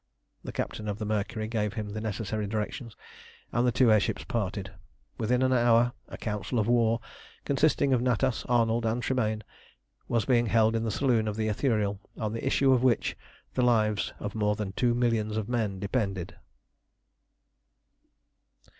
The captain of the Mercury gave him the necessary directions, and the two air ships parted. Within an hour a council of war, consisting of Natas, Arnold, and Tremayne, was being held in the saloon of the Ithuriel, on the issue of which the lives of more than two millions of men depended.